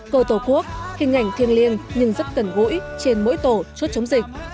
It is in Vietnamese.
cơ tổ quốc hình ảnh thiên liên nhưng rất tẩn gũi trên mỗi tổ chốt chống dịch